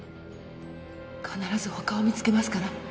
必ず他を見つけますから